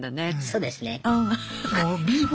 そうですね。